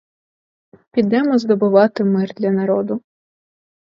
Підемо здобувати мир для народу.